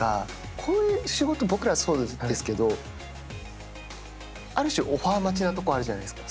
こういう仕事、僕らはそうですけど、ある種、オファー待ちなところあるじゃないですか。